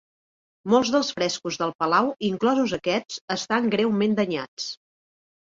Molts dels frescos del palau, inclosos aquests, estan greument danyats.